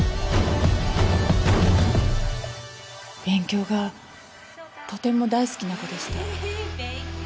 勉強がとても大好きな子でした。